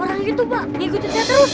orang itu pak ikutin saya terus